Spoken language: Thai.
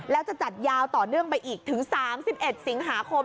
แล้วจะจัดยาวต่อเนื่องไปอีกถึง๓๑สิงหาคม